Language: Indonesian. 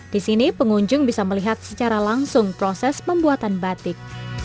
di sini pengunjung bisa melihat secara langsung proses pembuatan batik